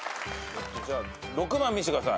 じゃあ６番見してください。